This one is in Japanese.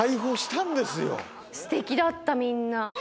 すてきだったみんな。